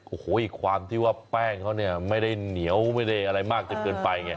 โอ้โฮความที่ว่าแป้งเขาไม่ได้เหนียวไม่ได้อะไรมากเกินไป